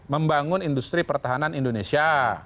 membangun industri pertahanan indonesia